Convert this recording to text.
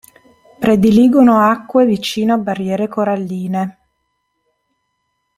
Prediligono acque vicino a barriere coralline.